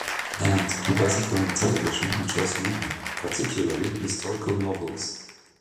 Ant, who does not own a television, enjoys reading, particularly historical novels.